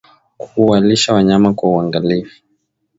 Kuwalisha wanyama kwa uangalifu